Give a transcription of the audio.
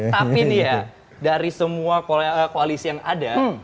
tapi nih ya dari semua koalisi yang ada